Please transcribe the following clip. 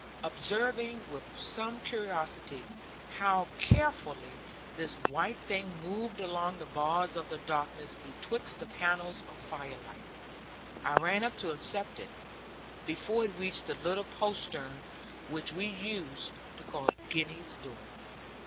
Observing with some curiosity how carefully this white thing moved along the bars of darkness betwixt the panels of firelight, I ran up to intercept it, before it reached the little postern which we used to call Gwenny's door.